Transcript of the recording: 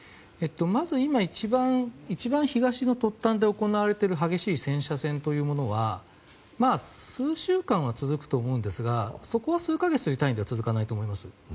まず、一番東の突端で行われている激しい戦車戦は数週間は続くと思うんですがそこは数か月の単位では続かないと思います。